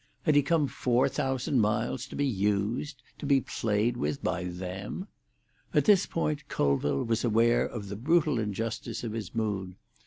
Had he come four thousand miles to be used, to be played with, by them? At this point Colville was aware of the brutal injustice of his mood.